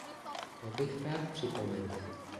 To bych rád připomenul.